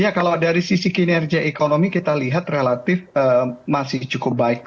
ya kalau dari sisi kinerja ekonomi kita lihat relatif masih cukup baik